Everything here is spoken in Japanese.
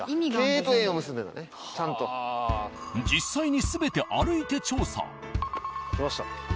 実際に全て歩いて調査。来ました。